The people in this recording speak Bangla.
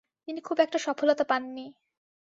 তিনি খুব একটা সফলতা পাননি।